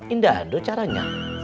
indah dua caranya